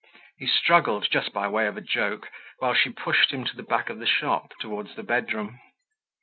He struggled, just by way of a joke, whilst she pushed him to the back of the shop, towards the bedroom.